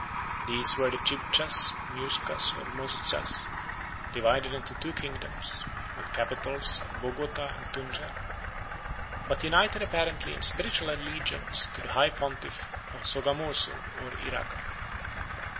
These were the Chibchas, Muyscas, or Mozcas, divided into two kingdoms, with capitals at Bogota and Tunja, but united apparently in spiritual allegiance to the high pontiff of Sogamozo or Iraca.